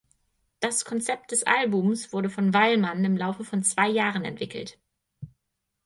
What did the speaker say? Das Konzept des Albums wurde von Wallmann im Laufe von zwei Jahren entwickelt.